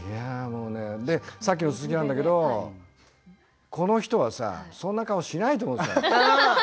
さっきの続きだけどこの人はさそんな顔しないと思うの。